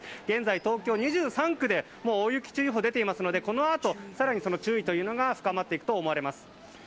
現在、東京２３区で大雪注意報が出ていますのでこのあと、更に注意が深まっていくと思います。